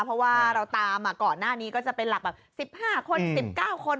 เพราะว่าเราตามก่อนหน้านี้ก็จะเป็นหลักแบบ๑๕คน๑๙คน